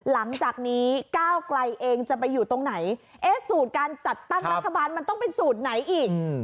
หลังจากนี้ก้าวไกลเองจะไปอยู่ตรงไหนเอ๊ะสูตรการจัดตั้งรัฐบาลมันต้องเป็นสูตรไหนอีก